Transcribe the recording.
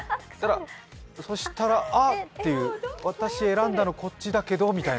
そしたらあっていう私、選んだのこっちだけどみたいな。